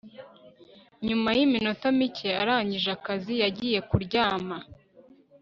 Nyuma yiminota mike arangije akazi yagiye kuryama